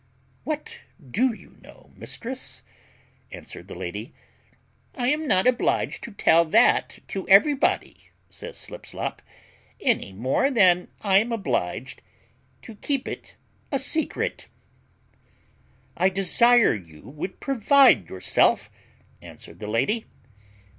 "What do you know, mistress?" answered the lady. "I am not obliged to tell that to everybody," says Slipslop, "any more than I am obliged to keep it a secret." "I desire you would provide yourself," answered the lady.